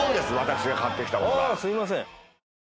すいません。